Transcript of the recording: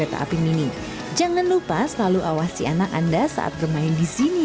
taman wisata ikonek